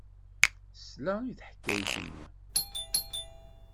Tesla i teḥkayt-nni.